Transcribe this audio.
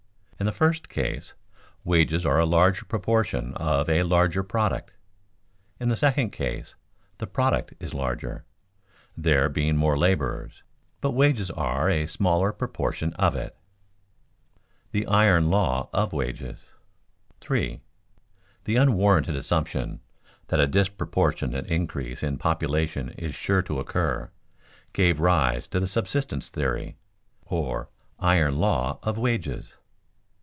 In the first case, wages are a larger proportion of a larger product; in the second case, the product is larger (there being more laborers) but wages are a smaller proportion of it. [Sidenote: The iron law of wages] 3. _The unwarranted assumption that a disproportionate increase in population is sure to occur, gave rise to the subsistence theory, or iron law of wages.